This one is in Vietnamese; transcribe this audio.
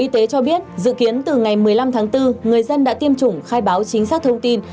y tế cho biết dự kiến từ ngày một mươi năm tháng bốn người dân đã tiêm chủng khai báo chính xác thông tin